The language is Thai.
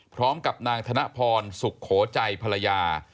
พร้อมกับนางธนพรสุโขใจภรรยา